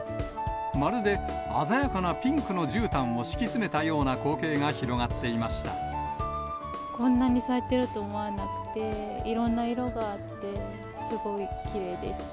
まるで鮮やかなピンクのじゅうたんを敷き詰めたような光景が広がこんなに咲いてると思わなくて、いろんな色があって、すごいきれいでした。